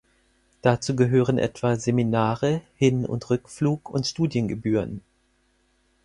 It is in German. Dazu gehören etwa Seminare, Hin- und Rückflug und Studiengebühren.